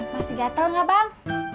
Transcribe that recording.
masih gatel gak bang